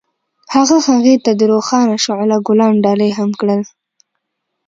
هغه هغې ته د روښانه شعله ګلان ډالۍ هم کړل.